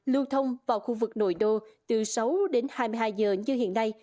lưu thông vào khu vực nội đô từ sáu đến hai mươi hai giờ như hiện nay